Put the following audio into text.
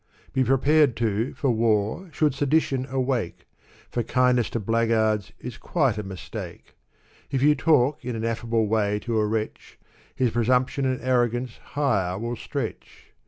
Be prepared, too, for war, should sedition awake ! For kindness to blackguards is quite a mistake. If you talk in an af&ble way to a wretch. His presumption and arrogance higher will stretch.